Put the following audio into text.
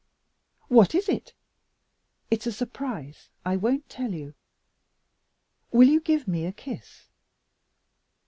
"What is it?" "It's a surprise. I won't tell you." "Will you give me a kiss?"